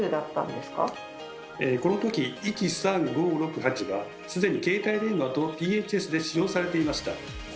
この時１・３・５・６・８は既に携帯電話とＰＨＳで使用されていました。